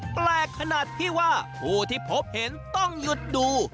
แปลกขนาดที่ว่าผู้ที่พบเห็นต้องหยุดดู